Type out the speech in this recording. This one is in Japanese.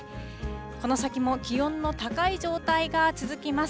この先も気温の高い状態が続きます。